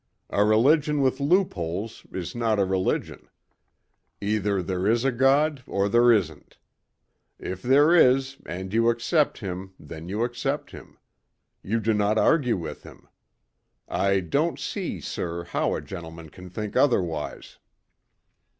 A religion with loopholes is not a religion. Either there is a God or there isn't. If there is and you accept Him then you accept Him. You do not argue with Him. I don't see, sir, how a gentleman can think otherwise."